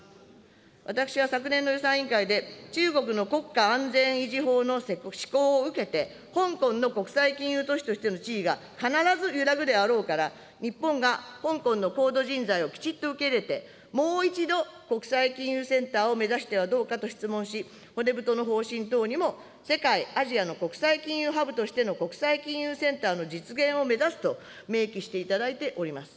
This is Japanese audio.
私は昨年の予算委員会で、中国の国家安全維持法の施行を受けて、香港の国際金融都市としての地位が必ず揺らぐであろうから、日本が香港の高度人材をきちっと受け入れて、もう一度、国際金融センターを目指してはどうかと質問し、骨太の方針等にも、世界・アジアの国際金融ハブとしての国際金融センターの実現を目指すと明記していただいております。